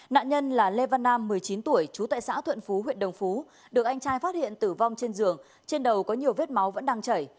nạn nhân là lê văn nam một mươi chín tuổi trú tại xã thuận phú huyện đồng phú được anh trai phát hiện tử vong trên giường trên đầu có nhiều vết máu vẫn đang chảy